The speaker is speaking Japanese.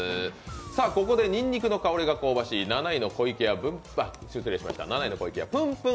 ここでにんにくの香りが香ばしい７位の湖池屋ぷんぷん